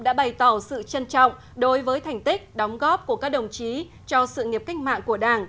đã bày tỏ sự trân trọng đối với thành tích đóng góp của các đồng chí cho sự nghiệp cách mạng của đảng